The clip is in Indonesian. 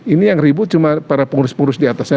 ini yang ribut cuma para pengurus pengurus di atasnya